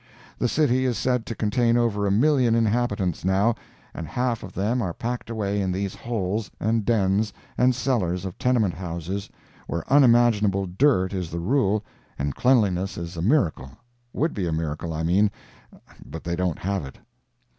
The city is said to contain over a million inhabitants, now, and half of them are packed away in these holes and dens and cellars of tenement houses, where unimaginable dirt is the rule and cleanliness is a miracle—would be a miracle, I mean, but they don't have it.